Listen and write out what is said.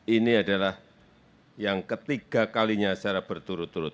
ini adalah yang ketiga kalinya secara berturut turut